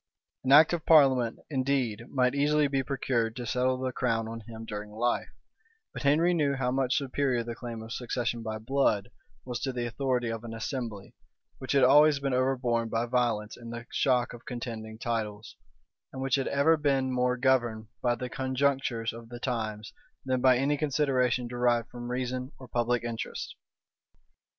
An act of parliament, indeed, might easily be procured to settle the crown on him during life; but Henry knew how much superior the claim of succession by blood was to the authority of an assembly,[*] which had always been overborne by violence in the shock of contending titles, and which had ever been more governed by the conjunctures of the times, than by any consideration derived from reason or public interest.